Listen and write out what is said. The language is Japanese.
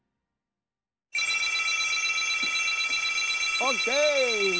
オッケー！